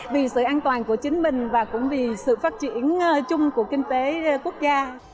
vì sự an toàn của chính mình và cũng vì sự phát triển chung của kinh tế quốc gia